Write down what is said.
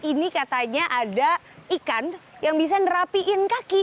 ini katanya ada ikan yang bisa nerapiin kaki